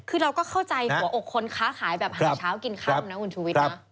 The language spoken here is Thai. คือเราก็เข้าใจหัวอกคนค้าขายแบบหาเช้ากินค่ำนะคุณชุวิตนะ